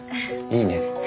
いいね。